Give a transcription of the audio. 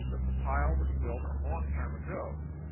that the pile was built a long time ago.